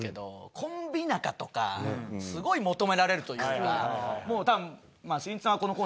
コンビ仲とかすごい求められるというか。